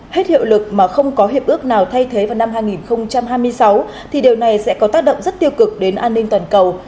hết hiệu lực mà không có hiệp ước nào thay thế vào năm hai nghìn hai mươi sáu thì điều này sẽ có tác động rất tiêu cực đến an ninh toàn cầu